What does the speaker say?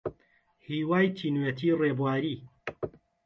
هیوای تینوێتی ڕێبواری